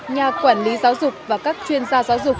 nhà quản lý giáo dục và các chuyên gia giáo dục